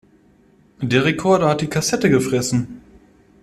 Der Rekorder hat die Kassette gefressen.